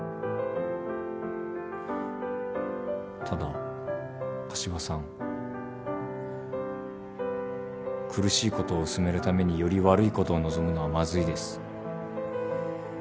ただ柏さん苦しいことを薄めるためにより悪いことを望むのはまずいです。